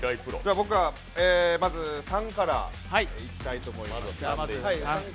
僕はまず３からいきたいと思います。